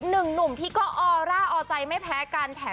หนึ่งหนุ่มที่ก็ออร่าอ่อใจไม่แพ้การแผ่น